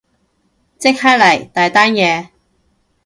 即刻嚟，大單嘢